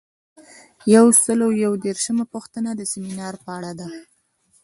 یو سل او یو دیرشمه پوښتنه د سمینار په اړه ده.